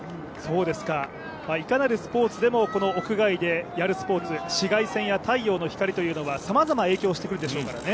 いかなるスポーツでも屋外でやるスポーツ、紫外線や太陽の光というのは、さまざま影響してくるでしょうからね。